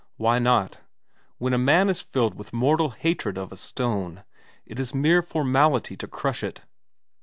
Why not? When a man is filled with mortal hatred of a stone, it is a mere formality to crush it.